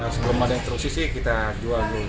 sebelum ada instrusi sih kita jual dulu